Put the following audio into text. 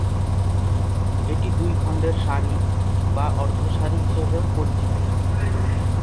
এটি "দুই খণ্ডের শাড়ি" বা "অর্ধ শাড়ি" হিসাবেও পরিচিত।